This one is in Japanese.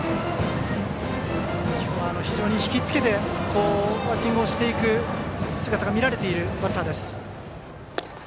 今日、非常にひきつけてバッティングをしていく姿が見られているバッターです。